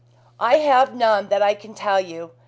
"I have none that I can tell you.